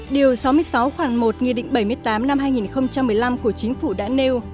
điều sáu mươi sáu khoản một nghị định bảy mươi tám năm hai nghìn một mươi năm của chính phủ đã nêu